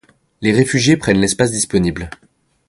Les réfugiés prennent l'espace disponible.